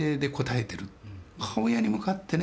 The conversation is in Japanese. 母親に向かってね